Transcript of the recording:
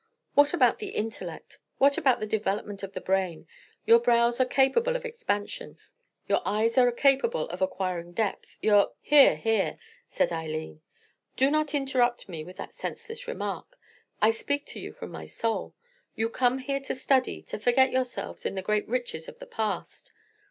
What about the intellect, what about the development of the brain? Your brows are capable of expansion, your eyes are capable of acquiring depth, your——" "Hear! hear!" said Eileen. "Do not interrupt me with that senseless remark. I speak to you from my soul. You come here to study, to forget yourselves in the great riches of the past.